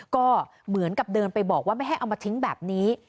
ก็เหมือนกับเดินไปบอกว่าไม่ให้เอามาทิ้งแบบนี้